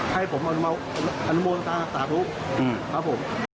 ให้ผมอนุโมธนาสาธุ